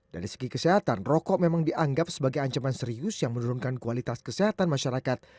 dari segi kesehatan rokok memang dianggap sebagai ancaman serius yang menurunkan kualitas kesehatan masyarakat